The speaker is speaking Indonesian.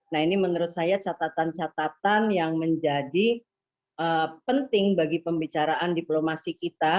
nah ini menurut saya catatan catatan yang menjadi penting bagi pembicaraan diplomasi kita